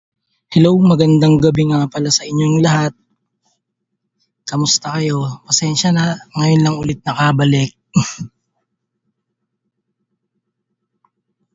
Members of the confederation, which consisted mostly of unpaid soldiers, demanded their money.